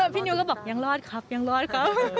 พี่นิวก็บอกยังรอดครับยังรอดครับ